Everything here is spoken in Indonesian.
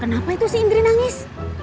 kenapa itu si indri nangis